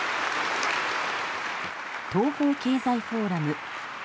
東方経済フォーラム。